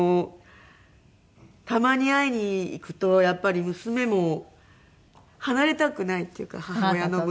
たまに会いに行くとやっぱり娘も離れたくないっていうか母親の胸。